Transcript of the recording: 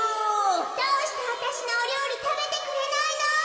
「どうしてわたしのおりょうりたべてくれないの？」。